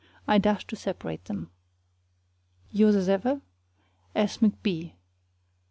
I dash to separate them. Yours as ever, S. McB.